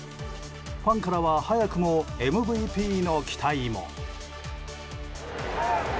ファンからは早くもＭＶＰの期待も。